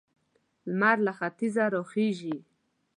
لمر له ختيځه را خيژي.